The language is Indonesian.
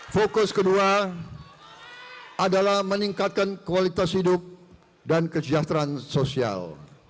fokus kedua adalah meningkatkan kualitas hidup dan kesejahteraan sosial